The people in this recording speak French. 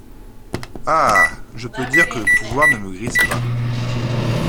Ah ! je peux dire que le pouvoir ne me grise pas.